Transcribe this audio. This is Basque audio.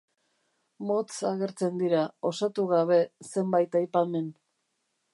Motz agertzen dira, osatu gabe, zenbait aipamen.